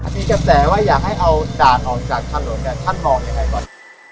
นี่แสดงเธอยากให้เอาด่านออกจากถอนจากถอนอย่างไรก่อน